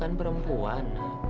kamu kan perempuan